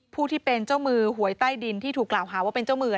ผู้ที่เป็นเจ้ามือหวยใต้ดินที่ถูกกล่าวหาว่าเป็นเจ้ามือ